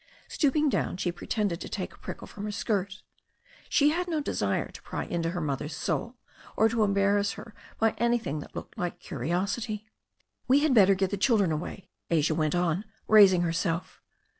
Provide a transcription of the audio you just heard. Stooping down, she pretended to take a prickle from her skirt. She had no desire to pry into her mother's soul, or to embarrass her by anything that looked like curiosity. "We had better get the children away," she went on, raising herself.